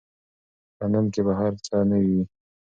په لندن کې به هر څه نوي وي.